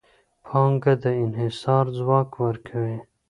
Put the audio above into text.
پانګه د انحصار ځواک ورکوي.